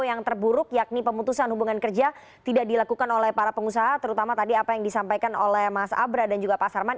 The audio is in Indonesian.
dan yang terburuk yakni pemutusan hubungan kerja tidak dilakukan oleh para pengusaha terutama tadi apa yang disampaikan oleh mas abra dan juga pak sarman